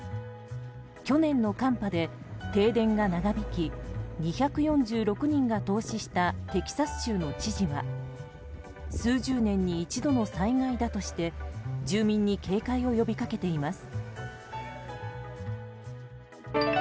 去年の寒波で停電が長引き２４６人が凍死したテキサス州の知事は数十年に一度の災害だとして住民に警戒を呼びかけています。